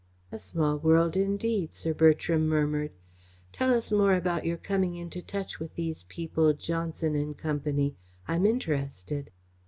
"A small world indeed," Sir Bertram murmured. "Tell us more about your coming into touch with these people Johnson and Company. I am interested."